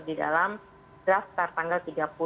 di dalam draft start tanggal